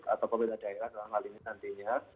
atau pemerintah daerah dalam hal ini nanti ya